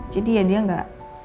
jadi ya dia enggak